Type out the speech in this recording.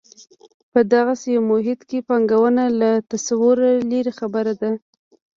په دغسې یو محیط کې پانګونه له تصوره لرې خبره ده.